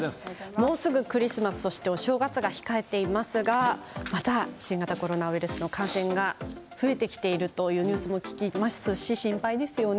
もうすぐクリスマスそして、お正月が控えていますがまた新型コロナのウイルスの感染が増えてきているというニュースを聞きまして心配ですよね。